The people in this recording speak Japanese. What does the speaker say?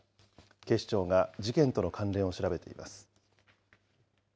警視庁が事件との関連を調べています。